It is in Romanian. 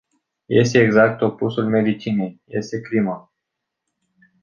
Este exact opusul medicinei - este crimă.